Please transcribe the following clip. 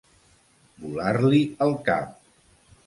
Volar-li el cap.